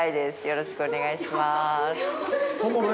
よろしくお願いします。